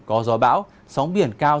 có gió bão sóng biển cao